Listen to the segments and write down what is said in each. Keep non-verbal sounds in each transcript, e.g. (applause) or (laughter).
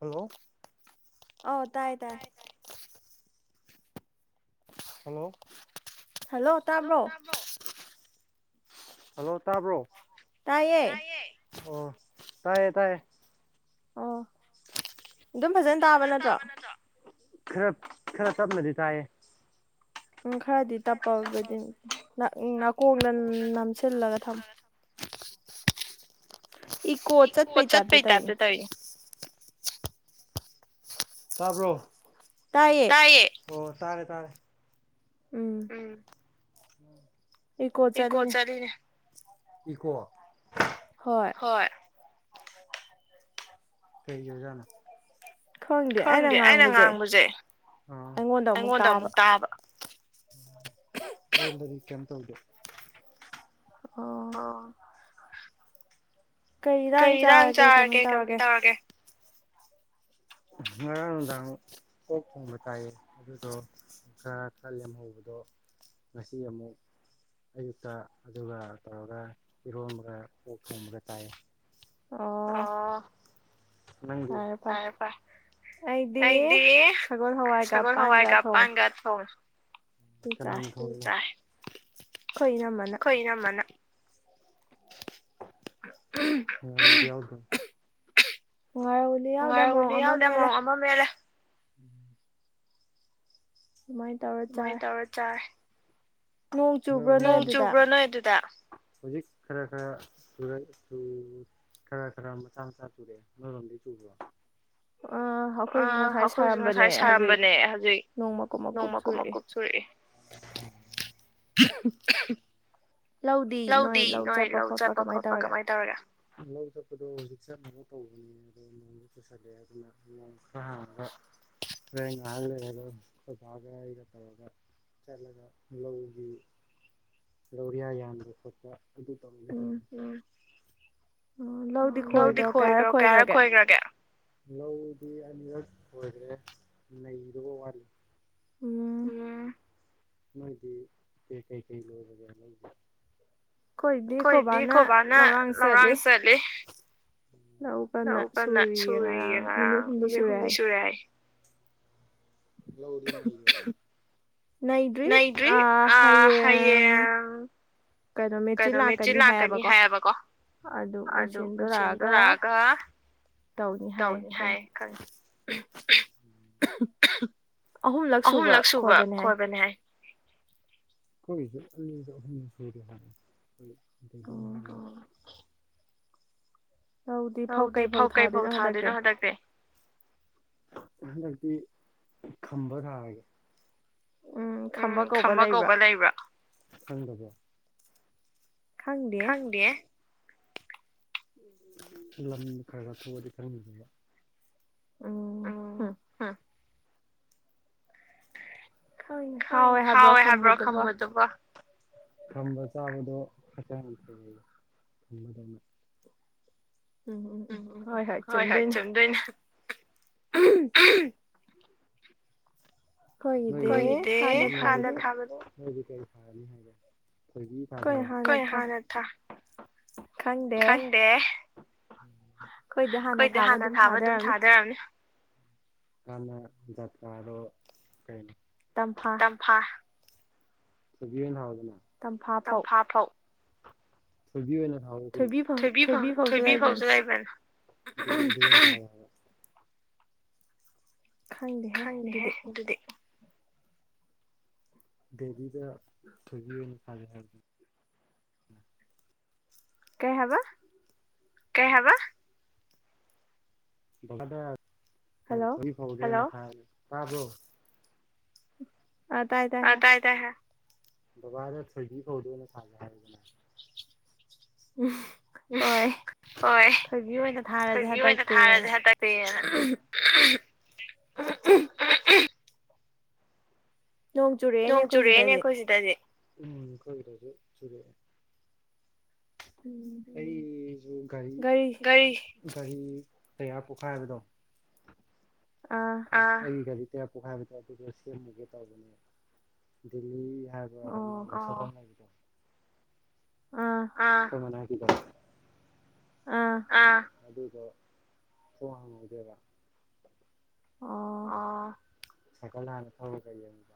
Hello ꯑꯥꯎ ꯇꯥꯏ ꯇꯥꯏ ꯍꯜꯂꯣ ꯍꯜꯂꯣ ꯇꯥꯕꯣ ꯍꯜꯂꯣ ꯇꯥꯌꯦ ꯑꯣ ꯇꯥꯏꯌꯦ ꯇꯥꯏꯌꯦ ꯑ ꯑꯗꯨꯝ ꯐꯖꯅ ꯇꯥꯕ ꯅꯠꯇ꯭ꯔꯣ ꯈꯔ ꯈꯔ ꯆꯞꯅꯗꯤ ꯇꯥꯏꯌꯦ ꯎꯝ ꯈꯔꯗꯤ ꯇꯞꯄꯕꯗꯤ ꯅꯥꯀꯣꯡꯗ ꯅꯝꯁꯤꯜꯂꯒ ꯊꯝꯃ ꯏꯀꯣꯆ ꯄꯩ ꯇ ꯑꯗ ꯇꯧꯋ ꯇꯥꯔꯕ꯭ꯔꯣ ꯇꯌꯦ ꯑꯣ ꯇꯥꯔꯦ ꯇꯥꯔꯦ ꯎꯝ ꯎꯝ ꯏꯣ ꯆꯥꯂꯤꯅꯦ ꯏꯀꯣ ꯍꯣꯏ ꯀꯩ ꯖꯥꯅ ꯈꯪꯗꯦ ꯑꯩꯅ ꯉꯥꯡꯕꯁꯦ ꯑꯩꯉꯣꯟꯗ ꯑꯃꯨꯛ ꯇꯥꯕ ꯍꯕꯗꯤ ꯀꯔꯤꯟ ꯍꯧꯗꯦ ꯑꯣ ꯀꯔꯤꯗꯥꯡ ꯆꯥꯔꯒꯦ ꯀꯃꯥꯏꯅ ꯇꯧꯔꯒꯦ ꯉꯔꯥꯡ ꯅꯨꯡꯗꯥꯡ ꯀꯣꯛ ꯊꯣꯡꯕ ꯇꯥꯏꯌꯦ ꯑꯗꯨꯗꯣ ꯈꯔ ꯈꯜ ꯂꯦꯝꯍꯧꯕꯗꯣ ꯉꯁꯤ ꯑꯃꯨꯛ ꯑꯌꯨꯛꯇ ꯑꯗꯨꯒ ꯇꯧꯔꯒ ꯏꯔꯣꯃꯒ ꯀꯣꯛ ꯊꯣꯡꯕꯒ ꯇꯥꯏꯌꯦ ꯑꯣꯪꯄ ꯑꯩꯗꯤ ꯁꯒꯣꯜ ꯍꯋꯥꯏꯒꯄꯥꯟꯒ ꯊꯣꯡ ꯀꯅꯥ ꯊ ꯀꯣꯏꯅꯃꯅ ꯀ ꯑ ꯌꯥꯎꯁꯨ ꯍꯅꯤ ꯌꯥꯎꯗ ꯑꯃꯃ ꯃꯦꯂ ꯎꯝ ꯑꯗꯨꯃꯥꯏꯅ ꯇꯧꯔ ꯆꯥꯏ ꯅꯣꯡ ꯆꯨꯕ꯭ꯔꯣ ꯅꯣꯏ ꯑꯗꯨꯗ ꯍꯧꯖꯤꯛ ꯈꯔ ꯈꯔ ꯈꯔ ꯈꯔ ꯃꯆꯥ ꯃꯆꯥ ꯇꯨꯔꯦ ꯅꯣꯏꯔꯣꯝꯗꯤ ꯆꯨꯕ꯭ꯔꯣ ꯑ ꯑꯩꯈꯣꯏꯁꯨ ꯉꯁꯥꯏ ꯁꯥꯔꯝꯕꯅꯦ ꯍꯧꯖꯤꯛ ꯅꯣꯡꯃ ꯀꯨꯞ ꯃꯀꯨꯞ ꯁꯨꯔꯛꯑꯦ ꯎ (inaudible) ꯂꯧꯗꯤ ꯅꯣꯏ ꯂꯧ ꯆꯠꯄ ꯈꯣꯠꯄ ꯀꯃꯥꯏꯅ ꯇꯧꯔꯒꯦ ꯂꯧ ꯆꯠꯄꯗꯣ ꯍꯧꯖꯤꯛ ꯆꯠꯨ ꯇꯧꯕꯅꯦ ꯑꯗꯣ ꯅꯣꯡꯗ ꯆꯨꯁꯜꯂꯦ ꯑꯗꯨꯅ ꯅꯣꯡ ꯈꯔ ꯍꯥꯡꯉꯒ ꯈꯔ ꯉꯍꯥꯟ ꯂꯩꯗ ꯑꯣꯖꯥꯒ ꯑꯩꯒ ꯇꯧꯔꯒ ꯆꯠꯂꯒ ꯂꯧꯁꯤ ꯂꯧꯔꯤꯌꯥ ꯌꯥꯟꯗꯣ ꯠꯇ ꯑꯗꯨ ꯑꯗꯨ ꯇ ꯊ ꯎ ꯂꯧꯗꯤ ꯈꯣꯏꯈ꯭ꯔꯣ ꯀꯌꯥ ꯍꯥꯏꯔ ꯈꯣꯏꯈ꯭ꯔꯒꯦ ꯂꯧꯗꯤ ꯑꯅꯤ ꯍꯗ꯭ꯔꯦ ꯅꯗꯨꯒ ꯋꯥꯔꯂ ꯌꯦ ꯅꯣꯏꯗꯤꯦ ꯀꯩꯀꯩ ꯂꯣꯏꯔꯒꯦ ꯅꯣꯏꯗꯤ ꯑꯩꯈꯣꯏꯗꯤ ꯈꯣꯕꯥꯅ ꯂꯧꯔꯥꯡ ꯆꯠꯂꯤ ꯂꯧ ꯀꯟꯅ ꯁꯨꯔꯤꯌꯦ ꯉꯔꯥꯡ ꯅꯨꯃꯤꯠ ꯍꯨꯝꯅꯤ ꯁꯨꯔꯦ ꯍꯥꯏ ꯅꯩꯗ꯭ꯔꯤ ꯑ ꯍꯌꯦ ꯀꯩꯅꯣ ꯃꯦꯆꯤꯟ ꯂꯥꯛꯀꯅꯤ ꯍꯥꯏꯌꯦꯕꯀꯣ ꯑꯗꯨ ꯃꯦꯆꯤꯟꯗꯣ ꯂꯥꯛꯑꯒ ꯇꯧꯅꯤ ꯍꯥꯏꯌꯦ ꯈ ꯑꯍꯨꯝꯂꯛ ꯁꯨꯕ ꯈꯣꯏꯕꯅꯤ ꯍꯥꯏ ꯀꯣꯏꯁꯨ ꯑꯍꯨꯝ ꯁ ꯍꯥꯏ ꯑꯗꯨꯗꯤꯅ ꯍꯥꯏ ꯍꯧꯗꯤ ꯐꯧ ꯀꯩ ꯐꯧ ꯊꯥꯗꯣꯏꯅꯣ ꯍꯟꯗꯛꯇꯦ ꯍꯟꯗꯛꯇꯤ ꯈꯝꯕ ꯊꯥꯔꯒꯦ ꯎꯝ ꯈꯝꯕ ꯀꯧꯕ ꯂꯩꯕ꯭ꯔꯥ ꯈꯡꯗꯦ ꯂꯝ ꯈꯔ ꯈꯔ ꯈꯡꯕꯗꯤ ꯀꯅꯒꯗꯕ ꯎꯝ ꯍꯥ ꯍꯥꯎꯋꯦ ꯍꯥꯏꯕ꯭ꯔꯣ ꯈꯡꯕꯗꯨꯕꯪ ꯈꯝꯕ ꯆꯥꯕꯗꯣ ꯐꯛꯇ ꯌꯥꯝ ꯐ ꯊꯝꯕꯗꯧꯅ ꯎꯝꯝ ꯍꯣꯏ ꯍꯣꯏ ꯆꯟ꯭ꯔꯦꯅ (inaudible) ꯍꯣꯏꯗꯦ ꯍꯥꯗꯠꯕꯗꯤ ꯍꯗꯤ ꯀꯩ ꯐꯥꯔꯅꯤ ꯍꯥꯏꯒ ꯊꯥꯏꯕꯤ ꯊꯗꯣꯏꯔꯣ ꯀꯣꯏ ꯍꯥ ꯅꯊꯥ ꯈꯡꯗꯦ ꯈꯣꯏꯗꯤ ꯍꯥꯟꯅ ꯊꯥꯕ ꯑꯗꯨꯝ ꯊꯗꯣꯏ ꯑꯣꯏꯔꯝꯅꯤ꯫ ꯀꯅ ꯌꯥꯇ꯭ꯔꯥꯔꯣ ꯀꯩꯅꯣ ꯇꯝꯐꯥ (unintelligible) ꯇꯝꯐꯥ ꯐꯥꯎ ꯊꯣꯏꯕꯤ ꯑꯣꯏꯅꯥ ꯊꯣꯏꯕꯤ ꯐꯎ ꯊꯣꯏꯕꯤ ꯐꯥꯎꯁꯨ ꯂꯩꯕꯅꯦ ꯈꯡꯗꯦ ꯍꯥꯏꯦ ꯑꯗꯨꯗꯤ ꯗꯦꯕꯤ ꯀꯤꯔ ꯊꯣꯏꯕꯤ ꯑꯣꯏꯅꯥ ꯍꯔꯦ ꯍꯥꯗꯨ ꯀꯩ ꯍꯕ ꯀꯩ ꯍꯕ (unintelligible) ꯀ ꯊ ꯐꯒ (unintelligible) ꯇ꯭ꯕꯔꯣ ꯑ ꯇꯥꯏ ꯇꯥꯏ ꯍꯥ ꯕꯕꯥꯗ ꯊꯣꯏꯖꯤ ꯐꯧꯗꯣꯑꯣꯏꯅꯥ ꯊꯥꯒꯦ ꯍꯥꯏꯌꯨꯗꯅ ꯎꯝ ꯍꯣꯏ ꯈꯣꯏꯒꯤ ꯑꯣꯏꯅ ꯊꯥꯔꯁꯦ ꯍꯟꯗꯛꯇꯛꯇꯅ ꯅꯣꯡ ꯆꯨꯨꯔ ꯌꯦꯅꯦ ꯌꯦ ꯀꯣꯏꯁꯤꯗꯖꯤꯦ ꯎꯝ ꯀꯕꯤꯔꯁꯨ ꯆꯨꯔꯦ ꯑꯩꯔꯤꯔꯤ ꯒꯥꯔꯤ ꯇꯌꯥ ꯄꯣꯛꯈꯥꯏꯕꯗꯣ ꯑꯗꯤ ꯇꯦ ꯄꯣꯛꯈꯥꯏꯕ ꯑꯗꯨꯗꯣ ꯁꯦꯝꯃꯨꯒꯦ ꯇꯧꯕꯅꯦ ꯗꯦꯜꯂꯤ ꯍ ꯍꯝꯗꯣ ꯑ (unintelligible) ꯑꯥ ꯑꯗꯨꯗꯣ ꯊꯣꯡ ꯍꯥꯡꯍꯧꯗꯦꯕ ꯑꯥ ꯁꯥꯏꯀꯜ ꯍꯥꯟꯅ ꯊꯧꯔꯒꯌꯦꯗ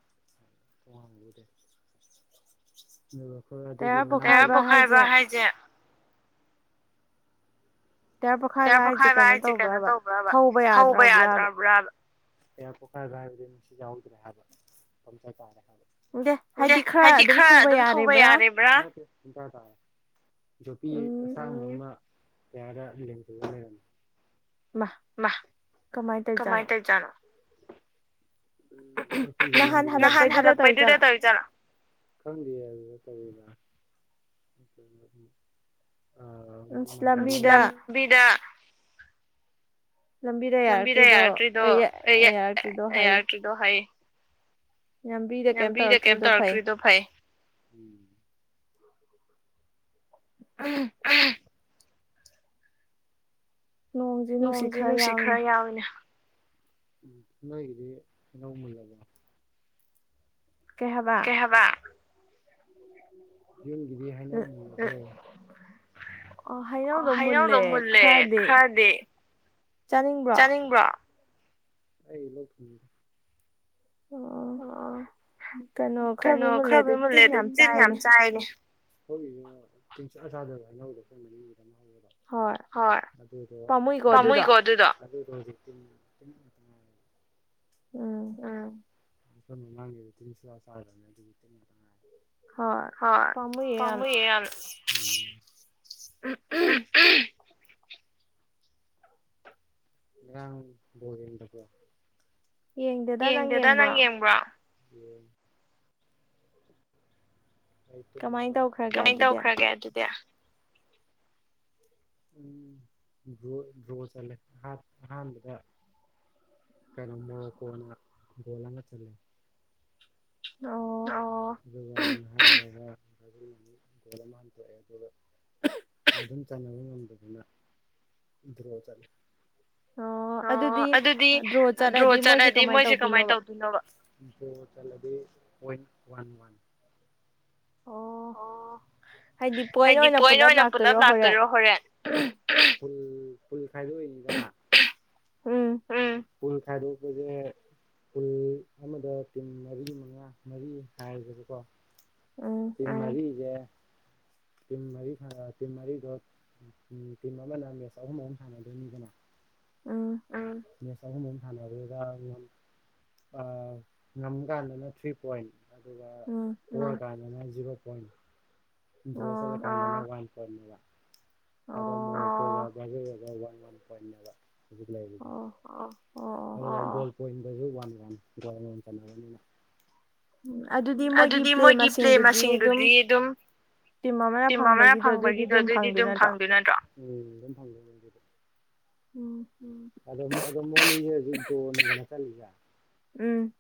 ꯄꯣꯈꯥꯏꯕ ꯍꯥꯏꯁꯦ ꯇꯦꯔꯥ ꯄꯣꯈꯥꯏꯕ ꯍꯥꯏꯁꯦ ꯀꯩꯅꯣ ꯇꯧꯕ꯭ꯔꯕ ꯊꯧꯕ ꯌꯥꯗ꯭ꯔꯕ꯭ꯔꯥꯕ ꯀ ꯀꯣꯈꯥꯏꯕ ꯍꯥꯏꯕꯗꯤ ꯅꯨꯡꯁꯤ ꯌꯥꯎꯍꯧꯗ꯭ꯔꯦ ꯍꯥꯏꯕ ꯄꯝꯆ ꯇꯥꯔꯦ ꯗꯦ ꯍꯥꯏꯗꯤ ꯈꯔ ꯑꯗꯨꯝ ꯊꯧꯕ ꯌꯥꯔꯤꯕ꯭ꯔꯥ ꯇꯥꯔꯦ ꯖꯣꯄꯤ ꯑꯁꯡꯕ ꯑꯃꯥ ꯇꯔꯗ ꯊꯤꯟ ꯂꯩꯔꯝꯃꯤ ꯋꯥꯍ ꯀꯃꯥꯏ ꯀꯃꯥꯏꯅ ꯇꯧꯖꯅꯣ ꯅꯍꯥꯟ ꯅ ꯂꯄꯩꯗꯤꯗ ꯇꯔ ꯆꯂ ꯈꯪꯗꯦ ꯑꯗꯨꯅ ꯇꯧꯕꯤꯅ ꯑ ꯏꯁꯂꯝꯕꯤꯗꯥ ꯂꯝꯕꯤꯗ ꯌꯥꯔꯛꯇ꯭ꯔꯤꯗꯣ ꯌꯥꯔꯛꯇ꯭ꯔꯤꯗꯣ ꯍꯥꯏꯌꯦ ꯂꯝꯕꯤꯗ ꯀꯩꯝ ꯇꯧꯔꯛꯇ꯭ꯔꯤꯗꯣ ꯐꯩ ꯎꯝ ꯎ (inaudible) ꯅꯣꯡꯁꯦ ꯅꯨꯡꯁꯤꯠ ꯈꯔ ꯌꯥꯎꯏꯤꯅꯦ ꯎ ꯅꯣꯏꯒꯤꯗꯤ ꯑꯩꯅꯧ ꯃꯨꯜꯂꯕ ꯀꯦꯍꯕ ꯍꯩꯅꯧꯗꯣ ꯃꯨꯜꯂꯦ ꯈꯔꯗꯤ ꯆꯥꯅꯤꯡꯕ꯭ꯔꯣ ꯑꯩꯂ ꯊ ꯑꯣ ꯀꯩꯅꯣ ꯈꯔꯕꯨ ꯃꯨꯜꯂꯦ ꯑꯗꯨ ꯇꯤꯟ ꯌꯥꯝ ꯆꯥꯏꯅꯦ ꯑꯩꯈꯣꯏꯒꯤ ꯇꯨꯡꯆꯥ ꯆꯥꯗꯕ ꯍꯥꯏꯩꯅꯅꯕꯗ ꯈ ꯍꯣꯏ ꯄꯥꯝꯃꯨꯏꯀꯣ ꯑꯗꯨꯗꯣ ꯜ ꯑꯝ ꯩꯅꯃꯥꯡꯒꯤꯦꯗ ꯇꯤꯟꯁꯤ ꯆꯥꯈ꯭ꯔꯕꯅꯦ ꯑꯗꯨꯒꯤꯗꯤ ꯇꯤꯟꯕꯇꯪ ꯉꯥꯏꯔꯦ ꯍ ꯄꯃ ꯌꯦ ꯌꯥꯅ (inaudible) ꯌꯥ ꯣꯗ ꯄꯣ ꯌꯦꯡꯗꯦꯗ ꯅꯪ ꯌꯦꯡꯕ꯭ꯔꯣ ꯌꯦ ꯀꯃꯥꯏꯅ ꯇꯧꯈ꯭ꯔꯒꯦ ꯑꯗꯨꯗꯤ ꯎꯝ ꯗ ꯗ꯭ꯔꯣ ꯆꯜꯂꯦ ꯑꯍꯥꯟꯕꯗ ꯀꯩꯅꯣꯃ ꯀꯣꯟꯅ ꯒꯣꯜ ꯑꯃꯒ ꯆꯜꯂꯦ ꯑꯣ ꯒꯣ ꯑꯃ ꯍꯥꯟꯊꯣꯛꯑꯦ ꯑꯗꯨꯒ ꯑꯗꯨꯝ ꯆꯥꯟꯅꯕ ꯉꯝꯗꯗꯨꯅ ꯗ꯭ꯔꯣ ꯆꯠꯂꯦ ꯑꯣ ꯑꯗꯨꯗꯤ ꯗ꯭ꯔꯣ ꯆꯠꯂꯗꯤ ꯃꯣꯏꯁꯦ ꯀꯃꯥꯏꯅ ꯇꯧꯗꯣꯏꯅꯣꯕ ꯆꯂꯗꯤ ꯄꯣꯏꯟ ꯋꯥꯟ ꯋꯥꯟ ꯑꯣ ꯍꯥꯏꯗꯤ ꯄꯣꯏꯅ ꯑꯣꯏꯅ ꯄꯨꯂꯞ ꯂꯥꯛꯇꯣꯏꯔꯣ ꯍꯣꯔꯦꯟ ꯐꯨꯜ ꯐꯨꯜ ꯈꯥꯏꯗꯣꯏꯅꯤꯗ ꯅꯍ ꯎꯝ ꯄꯨꯜ ꯈꯥꯏꯗꯣꯛꯄꯁꯦ ꯄꯨꯜ ꯑꯃꯗ ꯇꯤꯝ ꯃꯔꯤ ꯃꯉꯥ ꯃꯔꯤ ꯍꯥꯏꯌꯦꯕꯀꯣ ꯀꯃꯒꯤꯒꯦ ꯇꯤꯝ ꯃꯔꯤ ꯇꯤꯝ ꯃꯔꯤꯗꯣ ꯇꯤꯝ ꯑꯃꯅ ꯃꯦꯠꯁ ꯑꯍꯨꯝ ꯑꯍꯨꯝ ꯁꯥꯟꯅꯗꯣꯏꯅꯤꯗꯅ ꯑꯥ ꯃꯦꯁ ꯑꯍꯨꯝ ꯑꯨꯝ ꯁꯥꯟꯅꯕꯗꯨꯒ ꯉꯝ ꯀꯥꯟꯗꯅ ꯊ꯭ꯔꯤ ꯄꯣꯏꯟ ꯑꯗꯨꯒ ꯀꯥꯏꯗꯅ ꯖꯤꯕ ꯍꯣꯏ ꯗꯣꯁꯂ ꯀ ꯍꯣꯏꯅꯤꯕ ꯑꯗ ꯋꯥ ꯎ ꯄꯣꯏꯟꯗꯁꯨ ꯋꯥꯟ ꯋꯥꯟ ꯗꯒꯣꯜ ꯑꯣꯏꯅ ꯆꯟꯅꯕꯅꯤꯅ ꯎꯝ ꯑꯗꯨꯗꯤ ꯃꯣꯏꯒꯤ ꯄ꯭ꯂꯦ ꯃꯁꯤꯡꯗꯨꯗꯤ ꯑꯗꯨꯝ ꯇꯤꯝ ꯑꯃꯅ ꯐꯪꯕꯒꯤꯗꯣ ꯑꯗꯨꯏꯗꯤ ꯑꯗꯨꯝ ꯐꯪꯗꯣꯏ ꯅꯠꯇ꯭ꯔꯣ ꯎꯝ ꯑꯗꯨꯝ ꯐꯪꯖ ꯑꯗꯨꯗ ꯑꯗ ꯑꯗ ꯃꯁꯤꯗꯣ ꯆꯅꯤꯌꯥ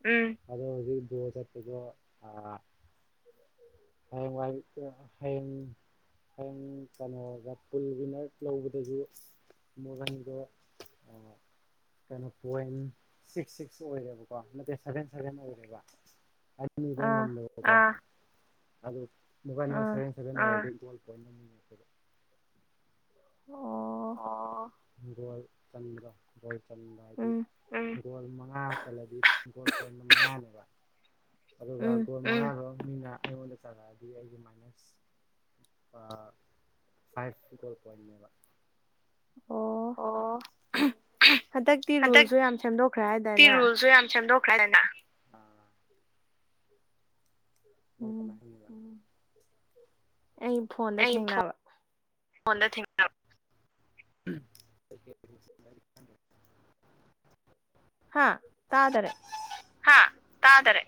ꯎꯝ ꯑꯗꯣꯗꯣ ꯆꯠꯇꯗꯣ ꯑ ꯍꯌꯦꯡ ꯍꯌꯦꯡ ꯍꯌꯦꯡ ꯀꯩꯅꯣꯒ ꯐꯜ ꯋꯤꯟꯅꯔ ꯂꯧꯕꯗꯁꯨ ꯃꯟꯗꯣ ꯀꯩꯅꯣ ꯄꯣꯏꯟ ꯁꯤꯛꯁ ꯁꯤꯛꯁ ꯑꯣꯏꯔꯦꯕꯀꯣ ꯅꯠꯇꯦ ꯁꯚꯦꯟ ꯁꯚꯦꯟ ꯑꯣꯏꯔꯦꯕ ꯑꯗꯣ ꯑꯗꯨ ꯃꯣꯕꯥꯜ ꯅꯔ (inaudible) ꯑꯣ ꯑ ꯆꯟ꯭ꯔ ꯔ ꯍꯥꯏꯗꯤ ꯒꯣꯜ ꯃꯉꯥ ꯆꯜꯂꯗꯤ ꯒꯣꯜ ꯄꯣꯏꯟ ꯃꯉꯥꯅꯦꯕ ꯑꯗꯨꯒꯒ ꯅ ꯑꯩꯉꯣꯟꯗ ꯆꯠꯂꯛꯑꯗꯤ ꯑꯩꯒꯤ ꯃꯥꯏꯅꯁ ꯐꯥꯏꯚ ꯀꯣꯔ ꯄꯣꯏꯟꯅꯦꯕ ꯑꯣ ꯍꯟꯗꯛꯇꯤ ꯔꯨꯜꯁꯨ ꯌꯥꯝ ꯁꯦꯝꯗꯣꯛ ꯇꯤ ꯔꯨꯜꯁꯁꯨ ꯌꯥꯝꯗ ꯈꯅ ꯅ ꯀ ꯑꯩ ꯐꯣꯟꯗ ꯊꯦꯡꯅꯕ (inaudible) ꯍꯥꯥ ꯇꯥꯗꯔꯦ ꯇꯥꯗꯔꯦ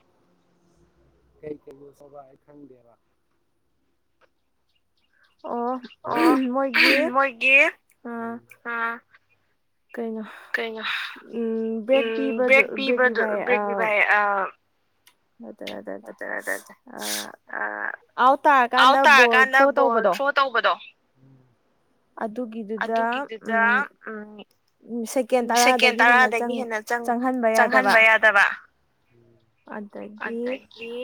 ꯀ ꯀ ꯁ ꯈꯪꯗꯦꯔ ꯑꯣ ꯃꯣꯏꯒꯤ ꯀꯩꯅꯣ ꯎꯝ ꯕ꯭ꯔꯦꯛ ꯄꯤꯕꯗꯨ ꯕ꯭ꯔꯦꯛ ꯄꯤꯕ ꯍꯥꯏ ꯑꯗꯨ ꯑꯗꯨ ꯑꯥꯎꯠ ꯇꯥꯔꯀꯥꯟꯗ ꯕꯣꯜ ꯊ꯭ꯔꯣ ꯇꯧꯕꯗꯣ ꯎꯝ ꯑꯗꯨꯒꯤꯗꯨꯗ ꯎꯝ ꯁꯦꯀꯦꯟ ꯇꯔꯥꯗꯒꯤ ꯍꯦꯟꯅ ꯆꯪꯍꯟꯕ ꯌꯥꯗꯕ ꯑꯗꯒꯤ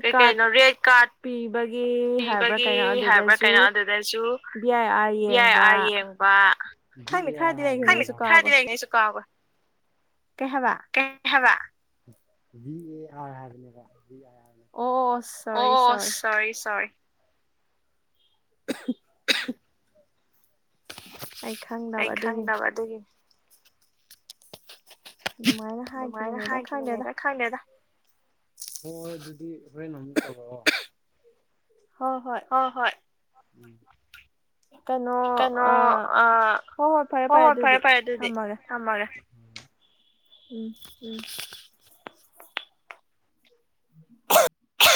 ꯀꯩ ꯀꯩꯅꯣ ꯔꯦꯠ ꯀꯥꯔꯠ (inaudible) ꯄꯤꯕꯒꯤ ꯍꯥꯏꯕ꯭ꯔꯥ ꯀꯩꯅꯣ ꯑꯗꯨꯗꯁꯨ ꯚꯤ ꯑꯥꯏ ꯑꯥꯔ ꯌꯦꯡꯕ ꯈꯗꯅꯤ ꯁ ꯑꯕ ꯀꯩ ꯍꯕ ꯚ ꯑꯦ ꯑꯥꯔ ꯍꯥꯏꯕꯅꯦꯕ ꯑꯣ ꯁꯣꯔꯤ ꯁꯣꯔꯤ (inaudible) ꯑꯩ ꯈꯪꯗꯕ ꯑꯗꯨꯒꯤ ꯑꯗꯨꯃꯥꯏꯅ ꯍꯥꯏꯈꯤꯕꯅꯦꯅ ꯈꯪꯂꯦꯗ ꯍꯣꯏꯣꯏ ꯑꯗꯨꯗꯤ ꯍꯣꯔꯦꯟ ꯅ ꯑꯃꯝꯇ ꯇꯧꯔꯛꯑꯣ ꯍ ꯍꯣꯏ ꯎꯝ ꯀꯩꯅꯣ ꯑ ꯍꯣ ꯍꯣꯏ ꯐꯔꯦ ꯐꯔꯦ ꯑꯗꯨꯗꯤ ꯊꯝꯃꯒꯦ ꯎꯝ ꯍ